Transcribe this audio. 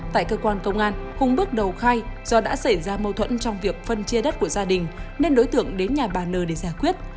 tại cơ quan công an hùng bước đầu khai do đã xảy ra mâu thuẫn trong việc phân chia đất của gia đình nên đối tượng đến nhà bà n để giải quyết